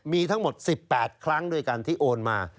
มี๑๘ครั้งด้วยกันที่โอนมา